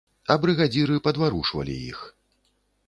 А брыгадзіры падварушвалі іх.